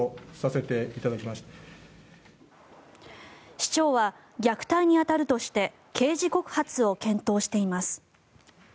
市長は虐待に当たるとして刑事告発を検討しています。